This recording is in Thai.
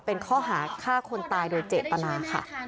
เป็นข้อหาฆ่าคนตายโดยเจตนาค่ะ